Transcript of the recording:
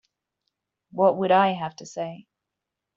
What would I have to say?